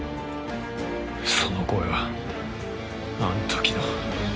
その声はあの時の。